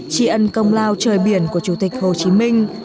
tri ân công lao trời biển của chủ tịch hồ chí minh